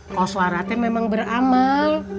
kos waratnya memang beramal